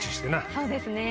そうですね。